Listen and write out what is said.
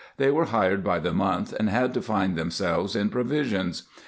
They were hired by the month, and had to find them selves in provisions.